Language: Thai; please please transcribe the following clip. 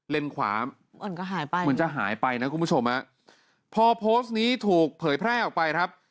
ขวามันก็หายไปเหมือนจะหายไปนะคุณผู้ชมฮะพอโพสต์นี้ถูกเผยแพร่ออกไปครับ